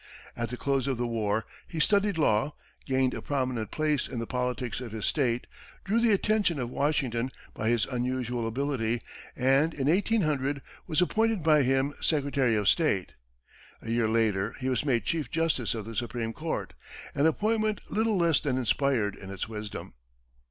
At the close of the war, he studied law, gained a prominent place in the politics of his state, drew the attention of Washington by his unusual ability, and in 1800 was appointed by him secretary of state. A year later he was made chief justice of the Supreme Court an appointment little less than inspired in its wisdom.